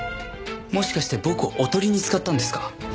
もしかして僕をおとりに使ったんですか？